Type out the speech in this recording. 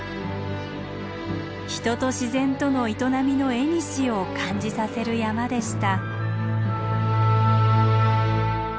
人と自然との営みのえにしを感じさせる山でした。